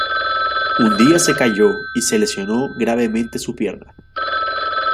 Un día se cayó y se lesionó gravemente su pierna.